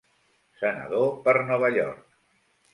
Senador per Nova York.